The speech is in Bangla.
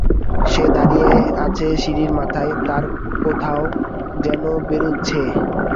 সে দাঁড়িয়ে আছে সিঁড়ির মাথায়, তারা কোথায় যেন বেরুচ্ছে।